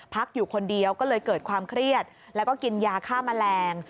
พักอยู่คนเดียวก็เลยเกิดความเครียดแล้วก็กินยาฆ่าแมลง